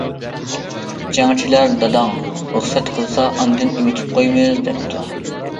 جەڭچىلەر: داداڭ رۇخسەت قىلسا ئاندىن ئۆگىتىپ قويىمىز، دەپتۇ.